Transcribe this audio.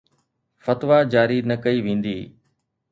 فتويٰ جاري نه ڪئي ويندي